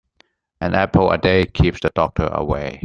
An apple a day keeps the doctor away.